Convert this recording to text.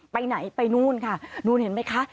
ไปไหนไปนู่นค่ะนู่นเห็นไหมคะ